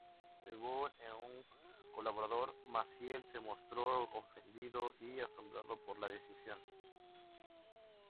Según un colaborador, Maciel se mostró "ofendido y asombrado" por la decisión.